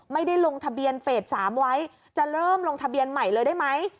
ไม่ได้ลงทะเบียนเฟส๓ไว้จะเริ่มลงทะเบียนใหม่เลยได้ไหม